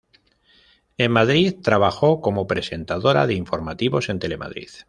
En Madrid trabajó como presentadora de informativos en Telemadrid.